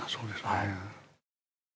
はい。